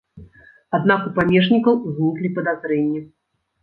Аднак у памежнікаў узніклі падазрэнні.